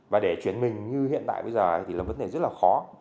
và để chuyển mình như hiện tại bây giờ thì là vấn đề rất là khó